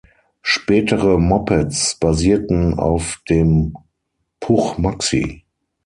Spätere Mopeds basierten auf dem Puch Maxi.